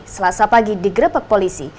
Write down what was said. selasa pagi digrebek polisi